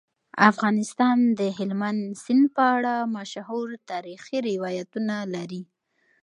افغانستان د هلمند سیند په اړه مشهور تاریخی روایتونه لري.